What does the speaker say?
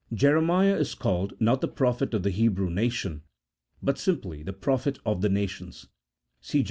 Jeremiah is called, not the prophet of the Hebrew nation, but simply the prophet of the nations (see Jer.